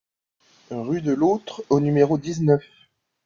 Rue de l'Authre au numéro dix-neuf